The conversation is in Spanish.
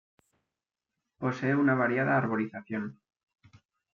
Posee una variada arborización.